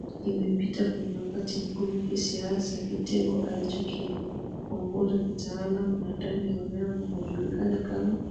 imepita kwenye wakati mgumu kisiasa Kitengo alichokiongoza kitaalamu na ndani ya vyama hujulikana kama